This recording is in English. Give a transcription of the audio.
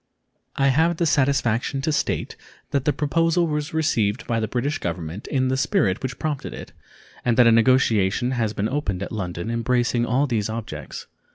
I have the satisfaction to state that the proposal was received by the British Government in the spirit which prompted it, and that a negotiation has been opened at London embracing all these objects.